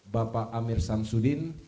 bapak amir samsudin